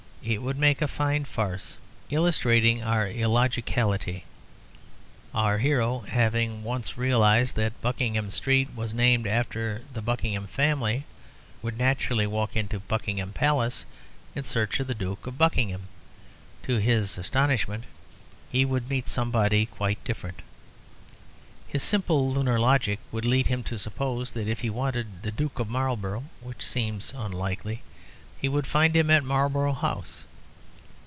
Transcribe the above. It would make a fine farce, illustrating our illogicality. Our hero having once realised that Buckingham Street was named after the Buckingham family, would naturally walk into Buckingham Palace in search of the Duke of Buckingham. To his astonishment he would meet somebody quite different. His simple lunar logic would lead him to suppose that if he wanted the Duke of Marlborough (which seems unlikely) he would find him at Marlborough House.